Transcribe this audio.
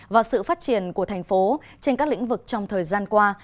và sự phát triển của thành phố trên các lĩnh vực trong thời gian qua